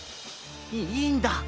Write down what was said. いいんだ。